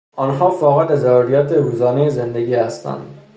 آنها فاقد ضروریات روزانهی زندگی هستند.